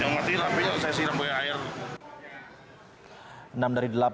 yang mati apinya saya siram dengan air